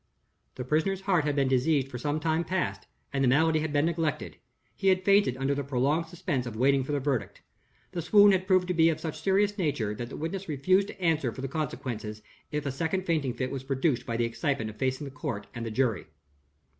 The prisoner's heart had been diseased for some time past, and the malady had been neglected. He had fainted under the prolonged suspense of waiting for the verdict. The swoon had proved to be of such a serious nature that the witness refused to answer for consequences if a second fainting fit was produced by the excitement of facing the court and the jury.